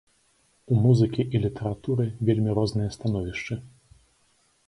У музыкі і літаратуры вельмі розныя становішча.